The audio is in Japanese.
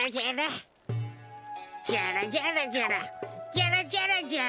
ジャラジャラジャラ。